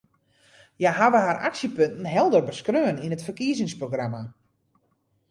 Hja hawwe har aksjepunten helder beskreaun yn it ferkiezingsprogramma.